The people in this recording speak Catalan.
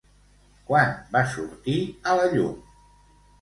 Quan va sortir a la llum?